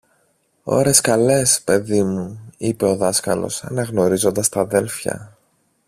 Ώρες καλές, παιδί μου, είπε ο δάσκαλος αναγνωρίζοντας τ' αδέλφια.